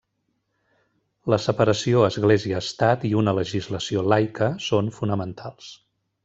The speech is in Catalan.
La separació Església-Estat i una legislació laica són fonamentals.